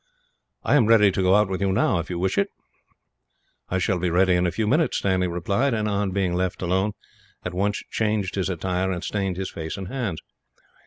"I am ready to go out with you now, if you wish it." "I shall be ready in a few minutes," Stanley replied and, on being left alone, at once changed his attire and stained his face and hands.